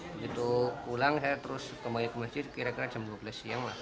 begitu pulang saya terus kembali ke masjid kira kira jam dua belas siang